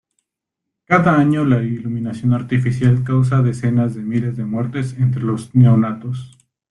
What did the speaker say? Cada año la iluminación artificial causa decenas de miles de muertes entre los neonatos.